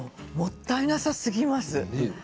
もったいなさすぎます。